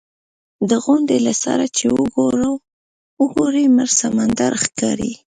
د غونډۍ له سره چې وګورې مړ سمندر ښکاري.